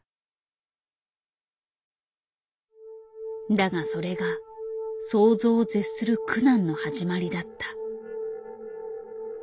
だがそれが想像を絶する苦難の始まりだった。